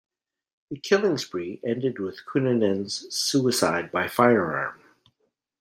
The killing spree ended with Cunanan's suicide by firearm.